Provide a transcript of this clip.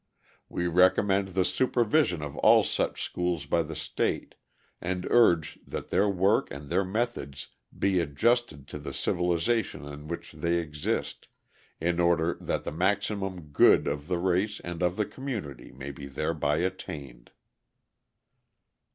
We recommend the supervision of all such schools by the state, and urge that their work and their methods be adjusted to the civilisation in which they exist, in order that the maximum good of the race and of the community may be thereby attained.